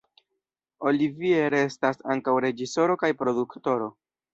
Olivier estis ankaŭ reĝisoro kaj produktoro.